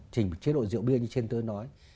chỉnh một chế độ rượu bia như trên tôi nói